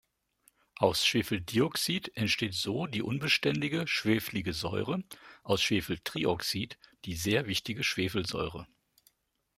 Aus Schwefeldioxid entsteht so die unbeständige Schweflige Säure, aus Schwefeltrioxid die sehr wichtige Schwefelsäure.